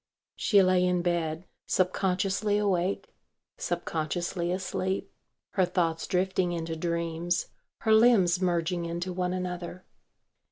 She lay in bed subconsciously awake, subconsciously asleep, her thoughts drifting into dreams, her limbs merging into one another.